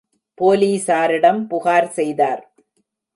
போலீஸாரிடம் புகார் செய்தார்.